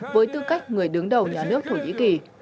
với tư cách người đứng đầu nhà nước thổ nhĩ kỳ